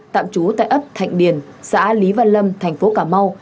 tạm trú tại ấp thạnh điền xã lý văn lâm thành phố cà mau